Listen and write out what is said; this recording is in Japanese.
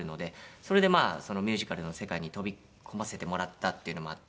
それでまあミュージカルの世界に飛び込ませてもらったっていうのもあって。